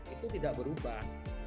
itu tidak berubah